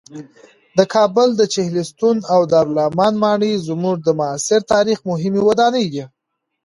د کابل د چهلستون او دارالامان ماڼۍ زموږ د معاصر تاریخ مهمې ودانۍ دي.